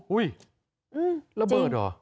อุ้ยระเบิดเหรอ